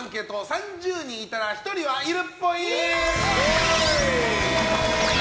３０人いたら１人はいるっぽい。